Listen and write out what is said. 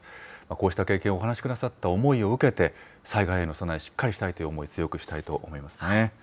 こうした経験をお話しくださった思いを受けて、災害への備え、しっかりしたいという思い、強くしたいと思います。